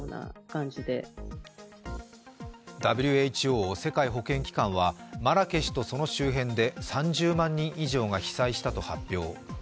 ＷＨＯ＝世界保健機関はマラケシュとその周辺で３０万人以上が被災したと発表。